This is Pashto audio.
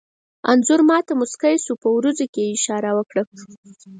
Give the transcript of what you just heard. انځور ما ته موسکی شو، په وروځو کې یې اشاره وکړه.